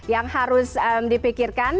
yang harus dipikirkan